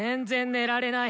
寝られない。